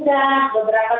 jadi luar biasa pak